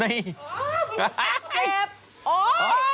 ไม่เล่น